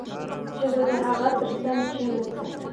ښځه د هغه تر څنګ کېناسته.